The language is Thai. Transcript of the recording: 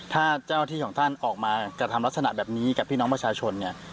ถ้าเจ้าที่ของท่านออกมากระทำลักษณะแบบนี้กับพี่น้องประชาชนเนี่ย